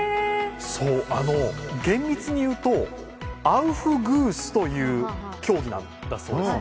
そう、厳密に言うとアウフグースという競技なんです。